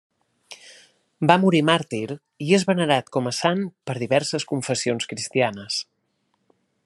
Va morir màrtir i és venerat com a sant per diverses confessions cristianes.